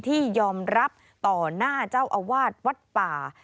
ที่ยอมรับต่อหน้าเจ้าอาวาสวัดป่า